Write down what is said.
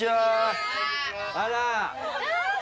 あら。